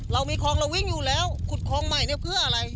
เรามีคลองเราวิ่งอยู่แล้วขุดคลองใหม่เนี่ยเพื่ออะไร